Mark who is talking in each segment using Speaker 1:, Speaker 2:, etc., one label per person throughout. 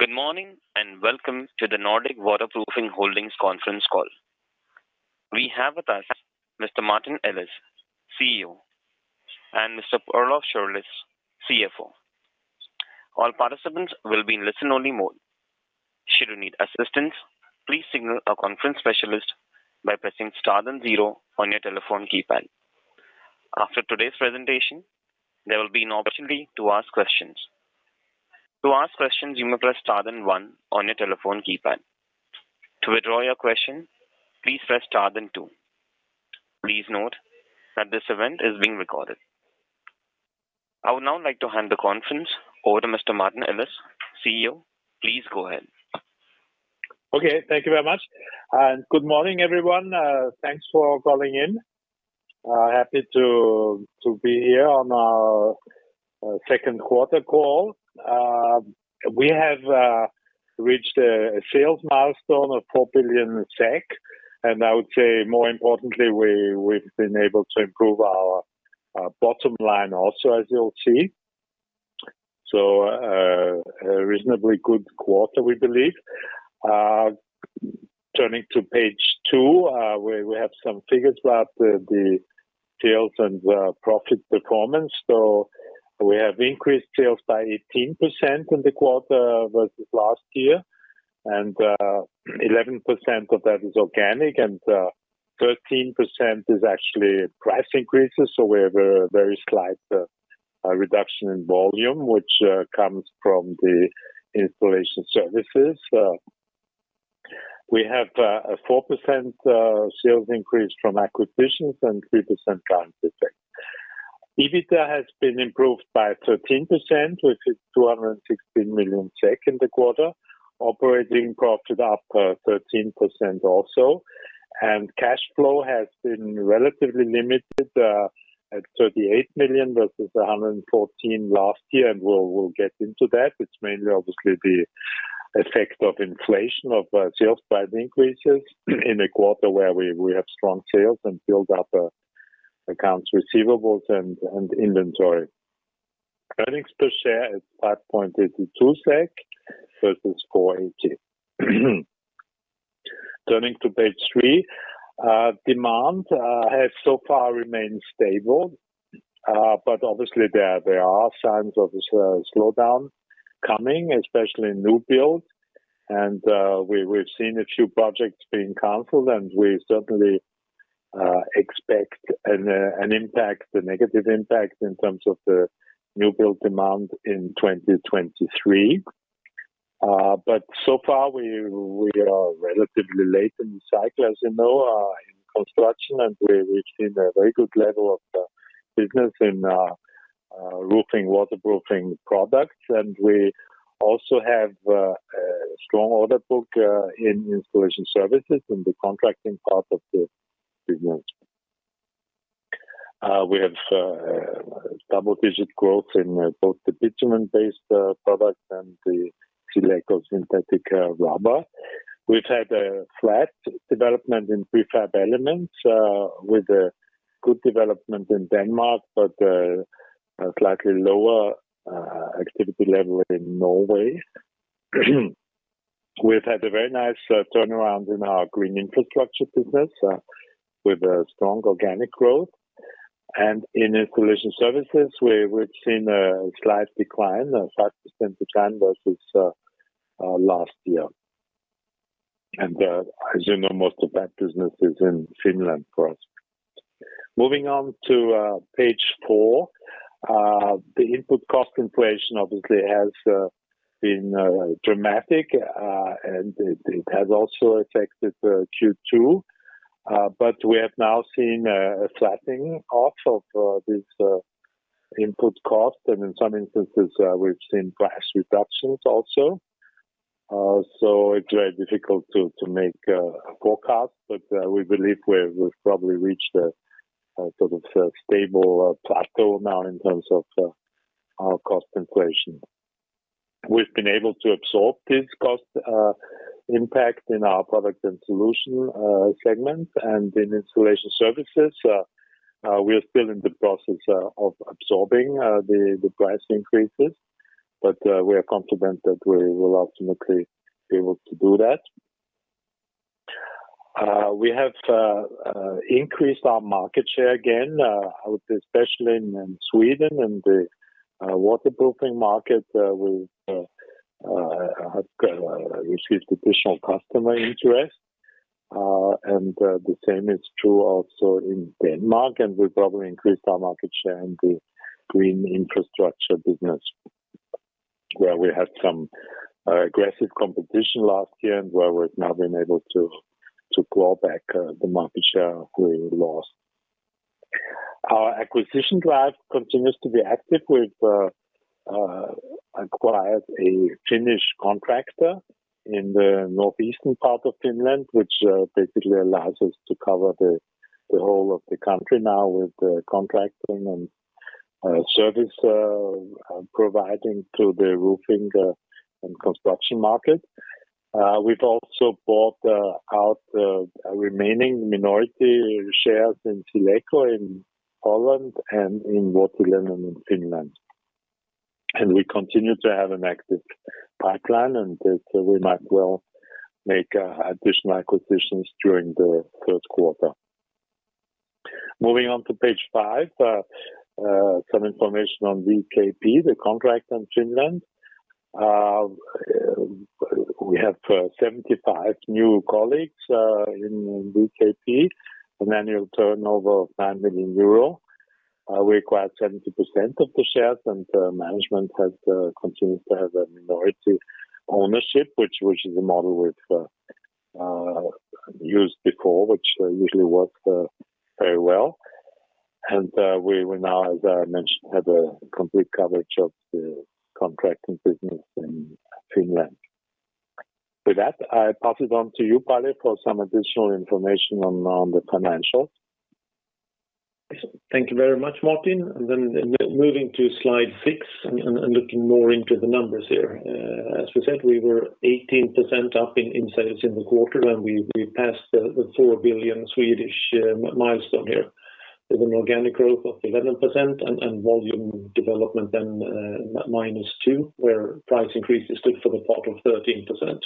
Speaker 1: Good morning, and welcome to the Nordic Waterproofing Holding Conference Call. We have with us Mr. Martin Ellis, CEO, and Mr. Palle Schrewelius, CFO. All participants will be in listen-only mode. Should you need assistance, please signal a conference specialist by pressing star then zero on your telephone keypad. After today's presentation, there will be an opportunity to ask questions. To ask questions, you may press star then one on your telephone keypad. To withdraw your question, please press star then two. Please note that this event is being recorded. I would now like to hand the conference over to Mr. Martin Ellis, CEO. Please go ahead.
Speaker 2: Okay. Thank you very much. Good morning, everyone. Thanks for calling in. Happy to be here on our second quarter call. We have reached a sales milestone of 4 billion SEK, and I would say more importantly, we've been able to improve our bottom line also, as you'll see. A reasonably good quarter, we believe. Turning to page two, where we have some figures about the sales and profit performance. We have increased sales by 18% in the quarter versus last year, and 11% of that is organic and 13% is actually price increases, so we have a very slight reduction in volume, which comes from the Installation Services. We have a 4% sales increase from acquisitions and 3% currency effect. EBITA has been improved by 13%, which is 216 million SEK in the quarter. Operating profit up 13% also. Cash flow has been relatively limited at 38 million versus 114 million last year, and we'll get into that. It's mainly obviously the effect of inflation of sales price increases in a quarter where we have strong sales and build up accounts receivables and inventory. Earnings per share is 5.82 SEK versus 4.80. Turning to page three. Demand has so far remained stable, but obviously there are signs of a slowdown coming, especially in new build, and we've seen a few projects being canceled, and we certainly expect a negative impact in terms of the new build demand in 2023. So far we are relatively late in the cycle, as you know, in construction, and we've seen a very good level of business in roofing, waterproofing products. We also have a strong order book in Installation Services in the contracting part of the business. We have double-digit growth in both the bitumen-based products and the silicone synthetic rubber. We've had a flat development in prefab elements with a good development in Denmark, but a slightly lower activity level in Norway. We've had a very nice turnaround in our green infrastructure business with a strong organic growth. In Installation Services, we've seen a slight decline of 5% versus last year. As you know, most of that business is in Finland for us. Moving on to page four. The input cost inflation obviously has been dramatic, and it has also affected Q2. We have now seen a flattening off of this input cost, and in some instances, we've seen price reductions also. It's very difficult to make forecasts, but we believe we've probably reached a sort of stable plateau now in terms of our cost inflation. We've been able to absorb this cost impact in our Products & Solutions segments. In Installation Services, we are still in the process of absorbing the price increases, but we are confident that we will ultimately be able to do that. We have increased our market share again, I would say especially in Sweden, in the waterproofing market. We've received additional customer interest. The same is true also in Denmark, and we've probably increased our market share in the green infrastructure business where we had some aggressive competition last year and where we've now been able to claw back the market share we lost. Our acquisition drive continues to be active. We've acquired a Finnish contractor in the northeastern part of Finland, which basically allows us to cover the whole of the country now with the contracting and service providing to the roofing and construction market. We've also bought out a remaining minority shares in Tileco in Holland and in LA Kattohuolto in Finland. We continue to have an active pipeline, and we might well make additional acquisitions during the first quarter. Moving on to page five, some information on VKP, the contractor in Finland. We have 75 new colleagues in VKP, an annual turnover of 9 million euro. We acquired 70% of the shares, and management continues to have a minority ownership, which is a model we've used before, which usually works very well. We now, as I mentioned, have a complete coverage of the contracting business in Finland. With that, I pass it on to you, Palle, for some additional information on the financials.
Speaker 3: Thank you very much, Martin. Moving to slide six and looking more into the numbers here. As we said, we were 18% up in sales in the quarter, and we passed the 4 billion milestone here with an organic growth of 11% and volume development then minus 2%, where price increases stood for the part of 13%.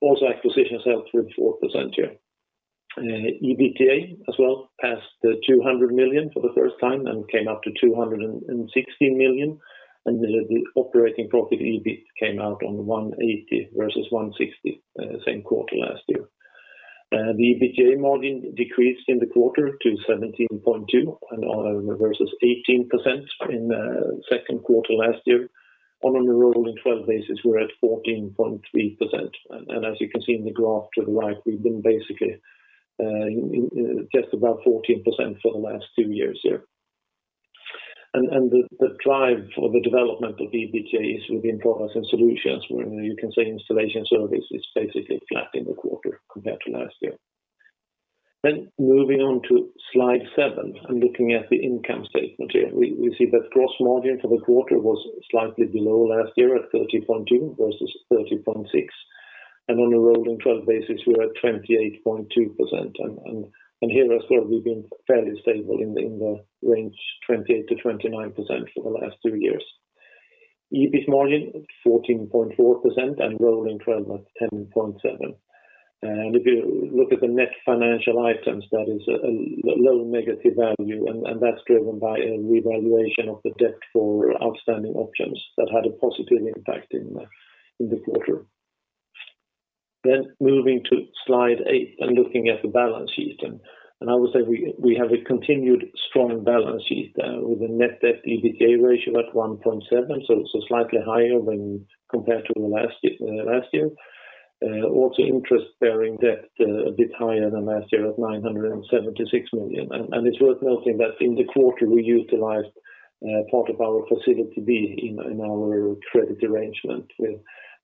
Speaker 3: Also, acquisitions helped with 4% here. EBITDA as well passed the 200 million for the first time and came up to 260 million, and the operating profit EBIT came out on 180 million versus 160 million same quarter last year. The EBITDA margin decreased in the quarter to 17.2% versus 18% in second quarter last year. On a rolling twelve basis, we're at 14.3%. As you can see in the graph to the right, we've been basically just about 14% for the last two years here. The drive for the development of EBITDA is within Products & Solutions, where you can say Installation Services is basically flat in the quarter compared to last year. Moving on to Slide seven and looking at the income statement here. We see that gross margin for the quarter was slightly below last year at 30.2% versus 30.6%. On a rolling twelve basis, we're at 28.2%. Here as well, we've been fairly stable in the range 28%-29% for the last two years. EBIT margin 14.4% and rolling twelve at 10.7%. If you look at the net financial items, that is a low negative value, and that's driven by a revaluation of the debt for outstanding options that had a positive impact in the quarter. Moving to slide eight and looking at the balance sheet. I would say we have a continued strong balance sheet, with a net debt to EBITDA ratio at 1.7, so slightly higher when compared to last year. Also interest bearing debt, a bit higher than last year at 976 million. It's worth noting that in the quarter, we utilized part of our Facility B in our credit arrangement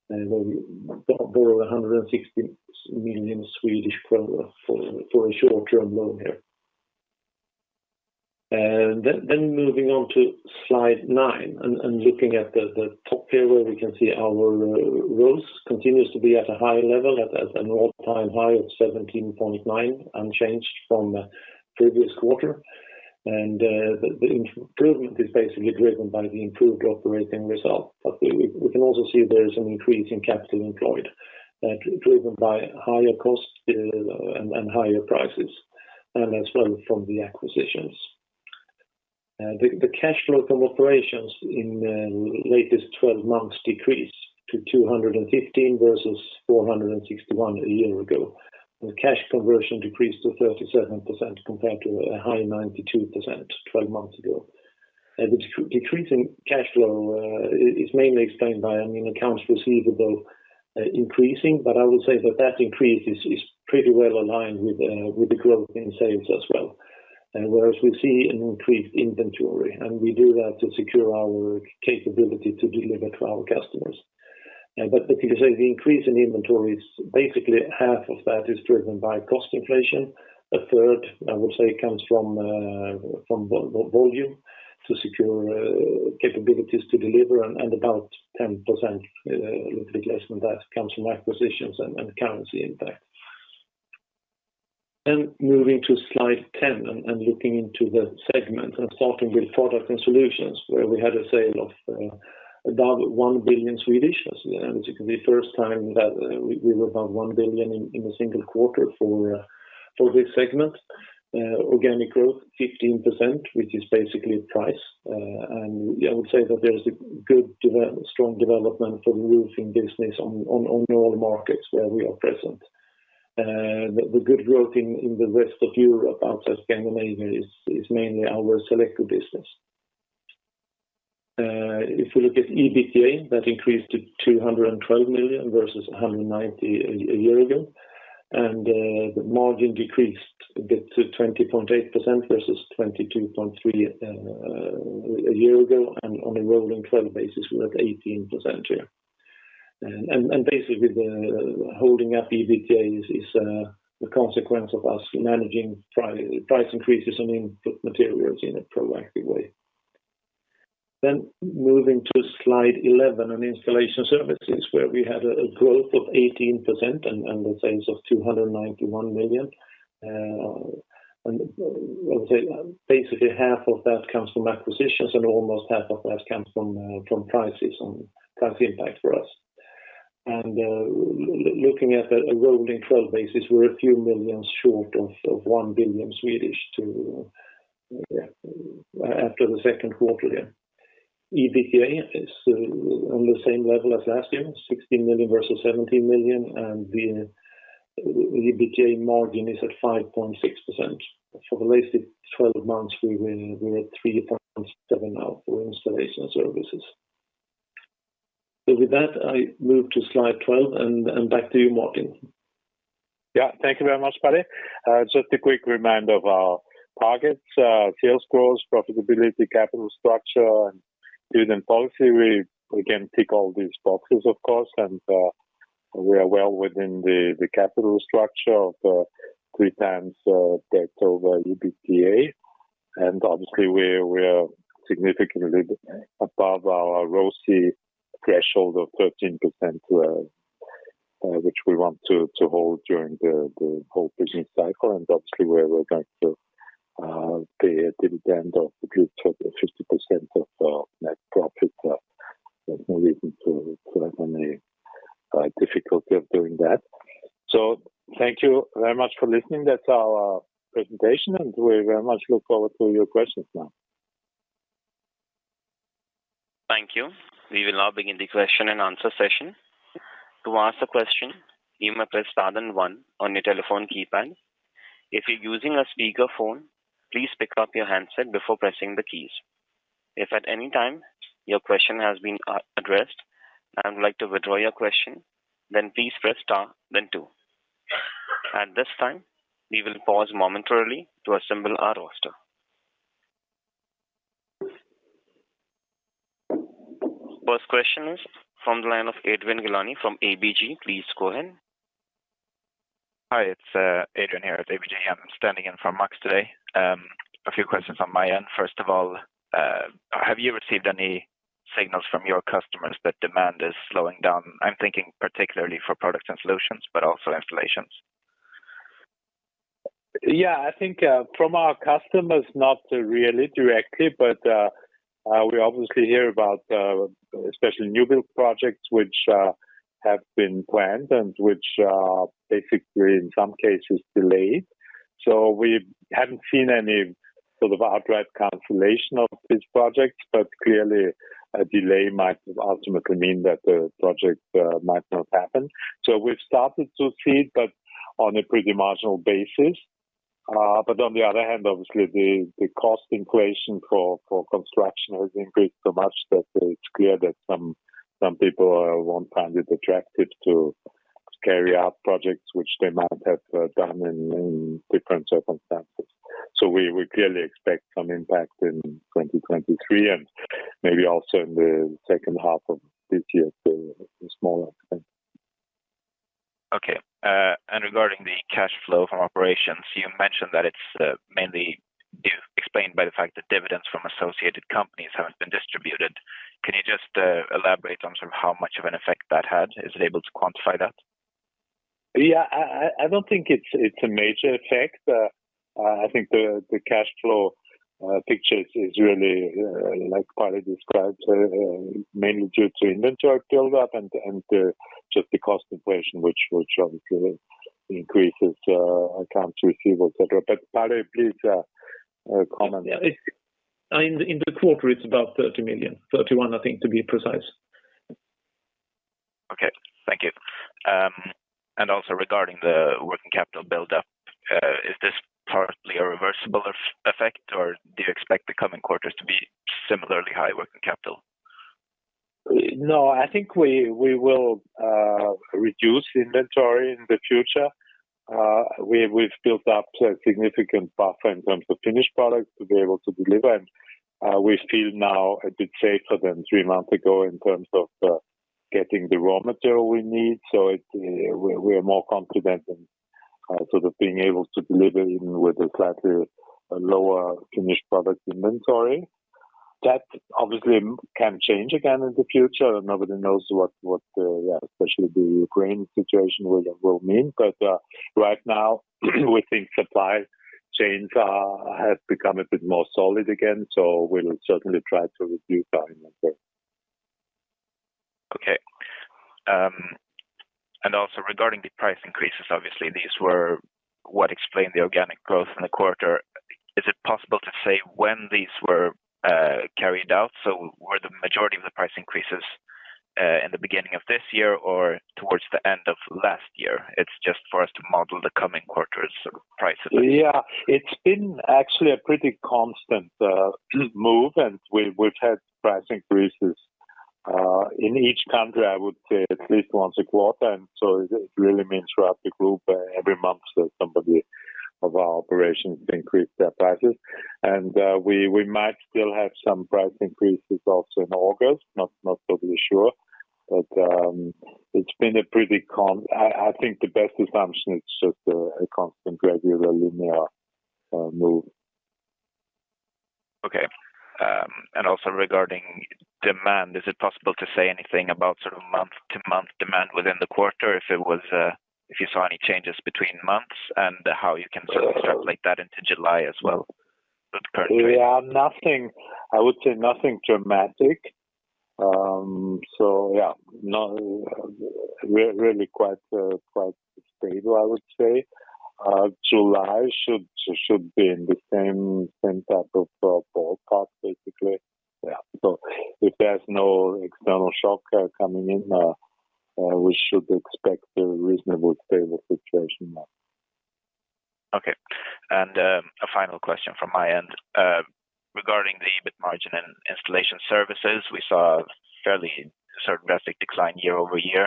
Speaker 3: with, we borrowed 160 million Swedish kronor for a short-term loan here. Moving on to Slide nine and looking at the top here, where we can see our ROCE continues to be at a high level, at an all-time high of 17.9%, unchanged from previous quarter. The improvement is basically driven by the improved operating result. We can also see there is an increase in capital employed, driven by higher costs and higher prices, and as well from the acquisitions. The cash flow from operations in latest twelve months decreased to 215 versus 461 a year ago. The cash conversion decreased to 37% compared to a high 92% twelve months ago. The decrease in cash flow is mainly explained by, I mean, accounts receivable increasing, but I would say that increase is pretty well aligned with the growth in sales as well. Whereas we see an increased inventory, and we do that to secure our capability to deliver to our customers. If you say the increase in inventory is basically half of that is driven by cost inflation. A third, I would say, comes from volume to secure capabilities to deliver, and about 10% of the adjustment that comes from acquisitions and currency impact. Moving to Slide 10 and looking into the segment and starting with Products & Solutions, where we had a sale of about 1 billion, which is the first time that we were above 1 billion in a single quarter for this segment. Organic growth 15%, which is basically price. I would say that there is a good strong development for the roofing business on all markets where we are present. The good growth in the rest of Europe outside Scandinavia is mainly our SealEco business. If we look at EBITDA, that increased to 212 million versus 190 million a year ago. The margin decreased a bit to 20.8% versus 22.3% a year ago, and on a rolling twelve basis, we're at 18% here. Basically the holding up EBITDA is the consequence of us managing price increases on input materials in a proactive way. Moving to slide 11 on Installation Services, where we had a growth of 18% and the sales of 291 million. I would say basically half of that comes from acquisitions and almost half of that comes from price increases for us. Looking at a rolling twelve basis, we're a few million short of 1 billion after the second quarter. EBITDA is on the same level as last year, 16 million versus 17 million, and the EBITDA margin is at 5.6%. For the latest 12 months, we were at 3.7% for Installation Services. With that, I move to slide 12 and back to you, Martin.
Speaker 2: Yeah. Thank you very much, Palle. Just a quick reminder of our targets. Sales growth, profitability, capital structure, and dividend policy. We can tick all these boxes, of course, and we are well within the capital structure of 3 times debt over EBITDA. Obviously we're significantly above our ROCE threshold of 13%, which we want to hold during the whole business cycle. Obviously we're going to pay a dividend of the group total 50% of net profit. There's no reason to have any difficulty of doing that. Thank you very much for listening. That's our presentation, and we very much look forward to your questions now.
Speaker 1: Thank you. We will now begin the question and answer session. To ask a question, you may press star then one on your telephone keypad. If you're using a speakerphone, please pick up your handset before pressing the keys. If at any time your question has been addressed and you'd like to withdraw your question, then please press star then two. At this time, we will pause momentarily to assemble our roster. First question is from the line of Adrian Gilani from ABG. Please go ahead.
Speaker 4: Hi, it's Adrian here at ABG. I'm standing in for Max today. A few questions on my end. First of all, have you received any signals from your customers that demand is slowing down? I'm thinking particularly for Products and Solutions, but also installations.
Speaker 2: Yeah, I think from our customers, not really directly, but we obviously hear about especially new build projects which have been planned and which are basically in some cases delayed. We haven't seen any sort of outright cancellation of these projects, but clearly a delay might ultimately mean that the project might not happen. We've started to see it, but on a pretty marginal basis. But on the other hand, obviously the cost inflation for construction has increased so much that it's clear that some people won't find it attractive to carry out projects which they might have done in different circumstances. We clearly expect some impact in 2023 and maybe also in the second half of this year, so a smaller effect.
Speaker 4: Okay. Regarding the cash flow from operations, you mentioned that it's mainly explained by the fact that dividends from associated companies haven't been distributed. Can you just elaborate on sort of how much of an effect that had? Is it able to quantify that?
Speaker 2: Yeah, I don't think it's a major effect. I think the cash flow picture is really, like Palle described, mainly due to inventory buildup and just the cost inflation, which will obviously increases accounts receivable, etc. Palle, please, comment.
Speaker 3: Yeah. In the quarter, it's about 30 million. 31, I think, to be precise.
Speaker 4: Okay. Thank you. Regarding the working capital buildup, is this partly a reversible effect, or do you expect the coming quarters to be similarly high working capital?
Speaker 2: No, I think we will reduce inventory in the future. We've built up a significant buffer in terms of finished products to be able to deliver. We feel now a bit safer than three months ago in terms of getting the raw material we need. We're more confident in sort of being able to deliver even with a slightly lower finished product inventory. That obviously can change again in the future, and nobody knows what yeah especially the Ukraine situation will mean. Right now we think supply chains have become a bit more solid again, so we'll certainly try to reduce our inventory.
Speaker 4: Okay. Regarding the price increases, obviously these were what explained the organic growth in the quarter. Is it possible to say when these were carried out? Were the majority of the price increases in the beginning of this year or towards the end of last year? It's just for us to model the coming quarters, so prices.
Speaker 2: Yeah. It's been actually a pretty constant move, and we've had price increases in each country, I would say at least once a quarter. It really means throughout the group, every month that some of our operations increase their prices. We might still have some price increases also in August, not totally sure. It's been a pretty constant. I think the best assumption is just a constant gradual linear move.
Speaker 4: Okay. Regarding demand, is it possible to say anything about sort of month-to-month demand within the quarter if you saw any changes between months and how you can sort of extrapolate that into July as well with current trade?
Speaker 2: Yeah. Nothing, I would say nothing dramatic. Yeah. No, we're really quite stable, I would say. July should be in the same type of ballpark, basically. Yeah. If there's no external shock coming in, we should expect a reasonable stable situation now.
Speaker 4: Okay. A final question from my end. Regarding the EBIT margin and Installation Services, we saw a fairly certain drastic decline year-over-year.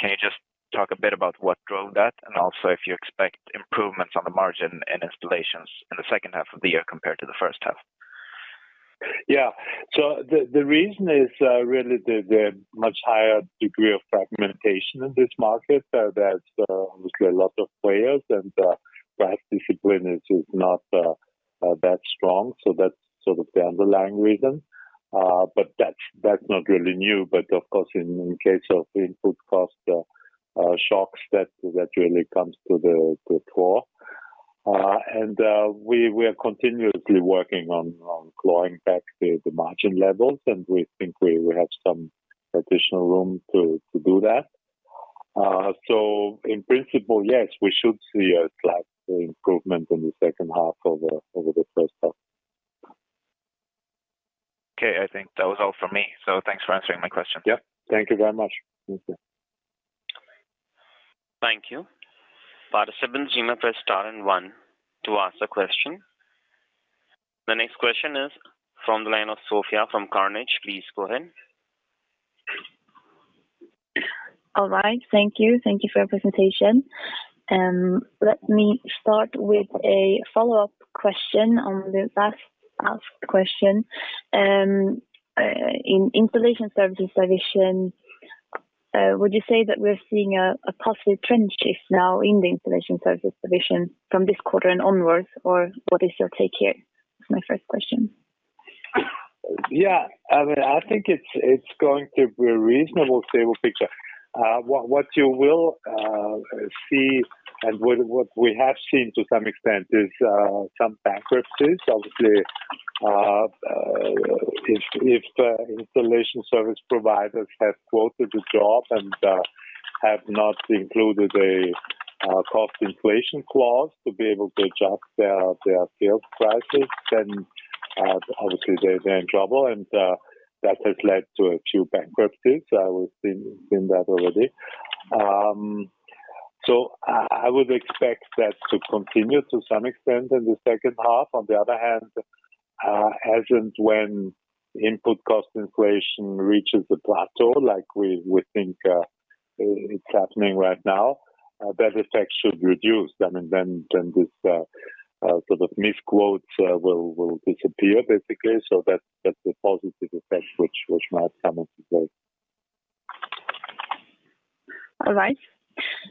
Speaker 4: Can you just talk a bit about what drove that and also if you expect improvements on the margin and installations in the second half of the year compared to the first half?
Speaker 2: The reason is really the much higher degree of fragmentation in this market. There's obviously a lot of players and price discipline is not that strong. That's sort of the underlying reason. That's not really new. Of course in case of input cost shocks that really comes to the fore. We are continuously working on clawing back the margin levels, and we think we have some additional room to do that. In principle, yes, we should see a slight improvement in the second half over the first half.
Speaker 4: Okay. I think that was all from me, so thanks for answering my question.
Speaker 2: Yeah. Thank you very much. Thank you.
Speaker 1: Thank you. Participants may press star and one to ask a question. The next question is from the line of Sophia from Carnegie. Please go ahead.
Speaker 5: All right. Thank you. Thank you for your presentation. Let me start with a follow-up question on the last asked question. In Installation Services division, would you say that we're seeing a positive trend shift now in the Installation Services division from this quarter and onwards, or what is your take here? It's my first question.
Speaker 2: Yeah. I mean, I think it's going to be a reasonable stable picture. What you will see and what we have seen to some extent is some bankruptcies, obviously. If installation service providers have quoted a job and have not included a cost inflation clause to be able to adjust their sales prices, then obviously they're in trouble and that has led to a few bankruptcies. We've seen that already. I would expect that to continue to some extent in the second half. On the other hand, as and when input cost inflation reaches a plateau like we think is happening right now, that effect should reduce then and this sort of misquote will disappear basically. That's a positive effect which might come into play.
Speaker 5: All right.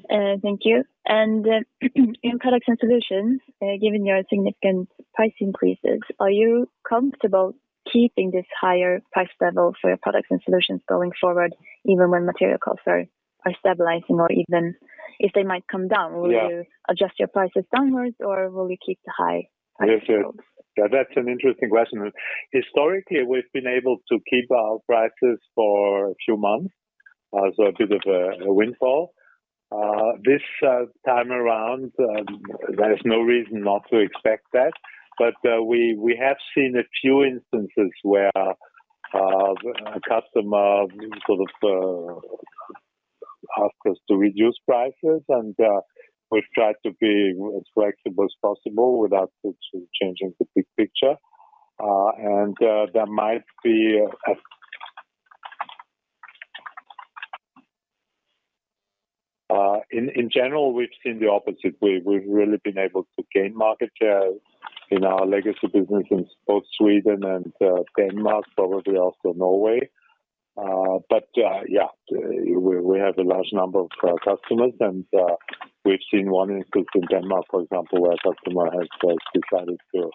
Speaker 5: Thank you. In Products & Solutions, given your significant price increases, are you comfortable keeping this higher price level for your Products & Solutions going forward even when material costs are stabilizing or even if they might come down?
Speaker 2: Yeah.
Speaker 5: Will you adjust your prices downwards, or will you keep the high price levels?
Speaker 2: Yes, yeah. That's an interesting question. Historically, we've been able to keep our prices for a few months, so a bit of a windfall. This time around, there is no reason not to expect that. We have seen a few instances where a customer sort of asked us to reduce prices and we've tried to be as flexible as possible without sort of changing the big picture. In general, we've seen the opposite way. We've really been able to gain market share in our legacy business in both Sweden and Denmark, probably also Norway. We have a large number of customers and we've seen one instance in Denmark, for example, where a customer has decided to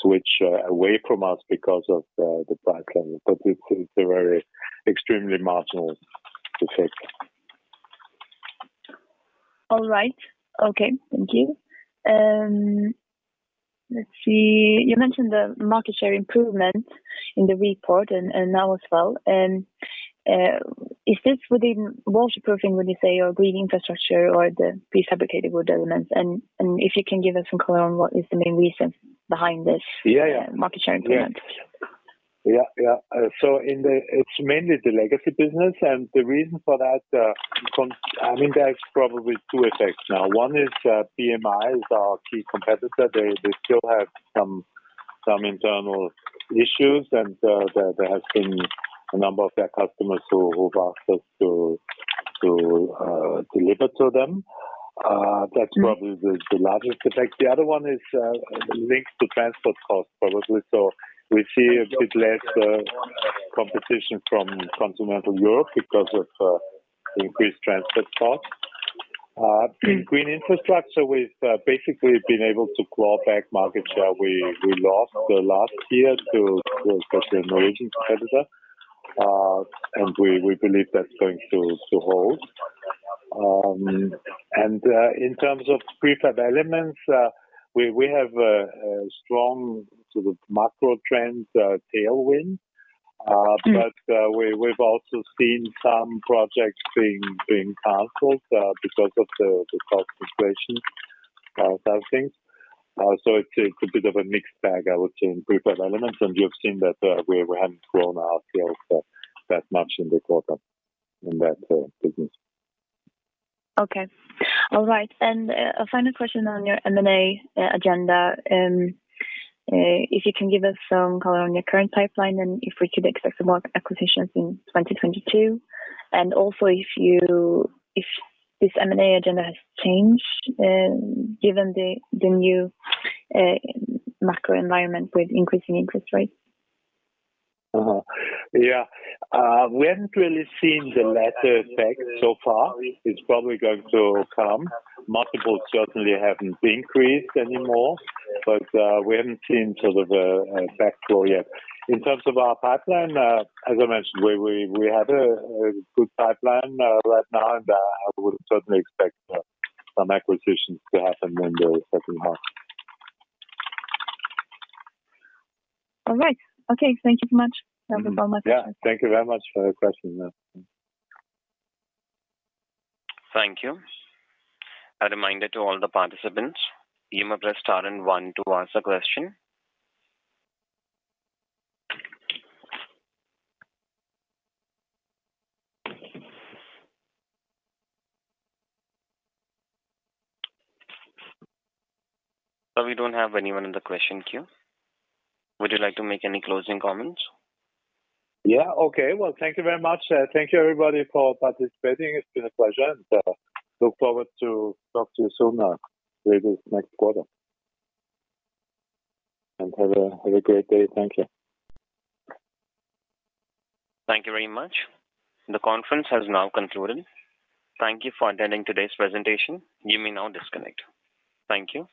Speaker 2: switch away from us because of the price level. It's a very extremely marginal effect.
Speaker 5: All right. Okay. Thank you. Let's see. You mentioned the market share improvement in the report and now as well. Is this within waterproofing, would you say, or green infrastructure or the prefabricated wood elements? If you can give us some color on what is the main reason behind this?
Speaker 2: Yeah, yeah.
Speaker 5: market share improvement.
Speaker 2: It's mainly the legacy business. The reason for that, I mean, there is probably two effects now. One is, BMI is our key competitor. They still have some internal issues, and there has been a number of their customers who've asked us to deliver to them.
Speaker 5: Mm-hmm.
Speaker 2: That's probably the largest effect. The other one is linked to transport costs probably. We see a bit less competition from continental Europe because of increased transit costs. In green infrastructure, we've basically been able to claw back market share we lost last year to a certain Norwegian competitor. We believe that's going to hold. In terms of prefab elements, we have a strong sort of macro trends tailwind. But we've also seen some projects being canceled because of the cost inflation, housing. It's a bit of a mixed bag, I would say, in prefab elements. You've seen that we haven't grown our sales that much in the quarter in that business.
Speaker 5: Okay. All right. A final question on your M&A agenda. If you can give us some color on your current pipeline and if we could expect some more acquisitions in 2022. Also if this M&A agenda has changed, given the new macro environment with increasing interest rates.
Speaker 2: We haven't really seen the latter effect so far. It's probably going to come. Multiples certainly haven't increased anymore, but we haven't seen sort of a backflow yet. In terms of our pipeline, as I mentioned, we have a good pipeline right now, and I would certainly expect some acquisitions to happen in the second half.
Speaker 5: All right. Okay, thank you so much.
Speaker 2: Yeah. Thank you very much for your question.
Speaker 1: Thank you. A reminder to all the participants, you may press star and one to ask a question. We don't have anyone in the question queue. Would you like to make any closing comments?
Speaker 2: Yeah. Okay. Well, thank you very much. Thank you everybody for participating. It's been a pleasure, and look forward to talk to you soon or maybe next quarter. Have a great day. Thank you.
Speaker 1: Thank you very much. The conference has now concluded. Thank you for attending today's presentation. You may now disconnect. Thank you.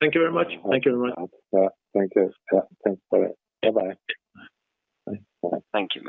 Speaker 2: Yeah. Thank you very much. Thank you everyone. Yeah. Thank you. Yeah. Thanks for it. Bye-bye.
Speaker 1: Thank you.